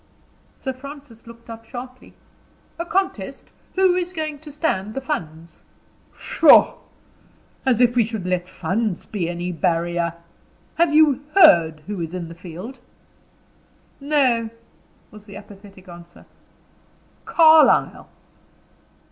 Sir Francis looked up sharply. "A contest? Who is going to stand the funds?" "Pshaw! As if we should let funds be any barrier! Have you heard who is in the field?" "No," was the apathetic answer. "Carlyle."